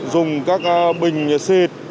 dùng các bình c